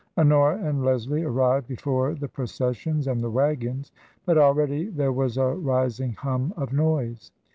Honora and Leslie arrived before the processions and the waggons ; but already there was a rising hum of noise.